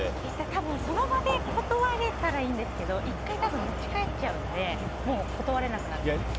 多分、その場で断れたらいいんですけど１回持ち帰っちゃうんで断れなくなっちゃいます。